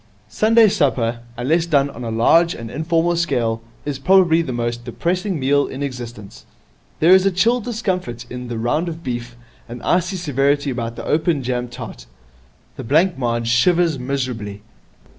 Sunday supper, unless done on a large and informal scale, is probably the most depressing meal in existence. There is a chill discomfort in the round of beef, an icy severity about the open jam tart. The blancmange shivers miserably.